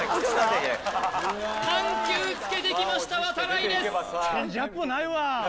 緩急つけてきました渡会です